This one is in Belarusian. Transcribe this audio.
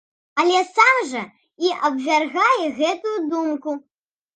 Але сам жа і абвяргае гэтую думку.